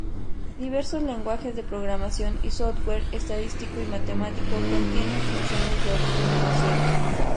Diversos lenguajes de programación y software estadístico y matemático contienen funciones de optimización.